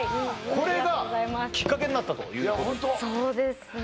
これがきっかけになったというそうですね